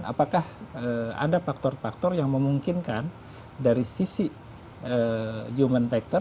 apakah ada faktor faktor yang memungkinkan dari sisi human factor